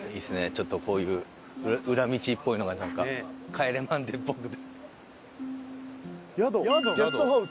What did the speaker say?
ちょっとこういう裏道っぽいのがなんか『帰れマンデー』っぽくて。